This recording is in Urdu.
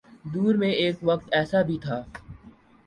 دور میں ایک وقت ایسا بھی تھا۔